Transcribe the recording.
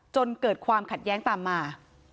จนเกิดความขัดแย้งตามมา